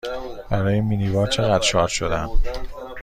برای مینی بار چقدر شارژ شدم؟